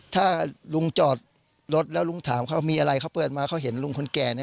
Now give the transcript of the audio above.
ถ้าลุงจอดรถแล้วลุงถามเขามีอะไรเขาเปิดมาเขาเห็นลุงคนแก่เนี่ย